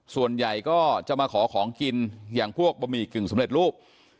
ส่วนใหญ่ก็จะมาขอของกินอย่างพวกบะหมี่กึ่งสำเร็จรูป